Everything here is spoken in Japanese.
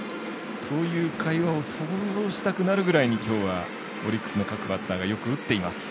という会話を想像したくなるぐらいに今日はオリックスの各バッターがよく打っています。